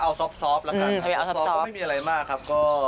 เอาซอปก็ไม่มีอะไรมากครับ